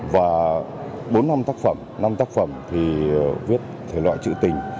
và bốn năm tác phẩm năm tác phẩm thì viết thể loại chữ tình